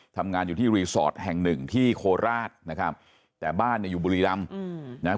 ทำงานอยู่ที่รีสอร์ทแห่งหนึ่งที่โคราชนะครับแต่บ้านเนี่ยอยู่บุรีรำนะครับ